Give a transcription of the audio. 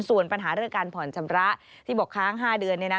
ส่วนปัญหาเรื่องการผ่อนชำระที่บอกค้าง๕เดือน